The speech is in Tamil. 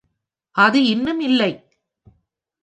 அது இன்னும் இல்லை.